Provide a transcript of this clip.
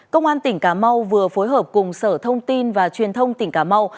công an tỉnh cà mau vừa phối hợp cùng sở thông tin và truyền thông tỉnh cà mau